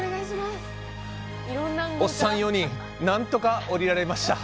おっさん４人、なんとか降りられました！